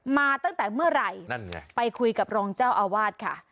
มาตั้งแต่เมื่อไหร่นั่นไงไปคุยกับรองเจ้าอาวาสค่ะ